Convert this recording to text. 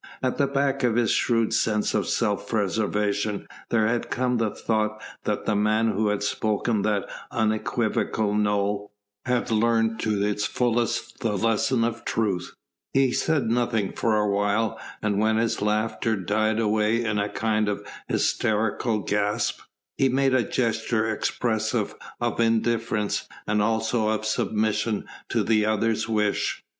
At the back of his shrewd sense of self preservation there had come the thought that the man who had spoken that unequivocal "No!" had learnt to its fullest the lesson of truth. He said nothing for a while, and when his laughter died away in a kind of hysterical gasp, he made a gesture expressive of indifference and also of submission to the other's wish.